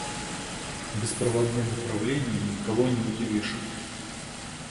Беспроводным управлением никого не удивишь.